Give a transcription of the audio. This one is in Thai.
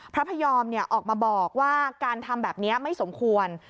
พระพยอมออกมาบอกว่าการทำแบบนี้ไม่สมควร